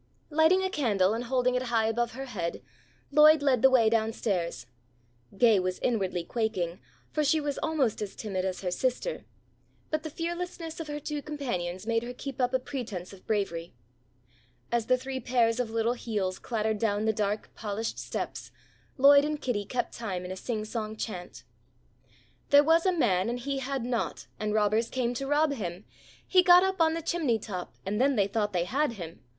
Lighting a candle and holding it high above her head, Lloyd led the way down stairs. Gay was inwardly quaking, for she was almost as timid as her sister, but the fearlessness of her two companions made her keep up a pretence of bravery. As the three pairs of little heels clattered down the dark polished steps, Lloyd and Kitty kept time in a singsong chant: "There was a man and he had naught And robbers came to rob him. He got up on the chimney top And then they thought they had him.